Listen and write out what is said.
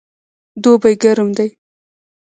دوبی ګرم دی